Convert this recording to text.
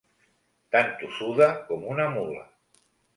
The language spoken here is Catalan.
Tan tossuda com una mula.